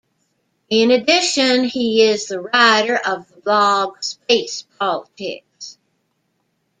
In addition he is the writer of the blog Space Politics.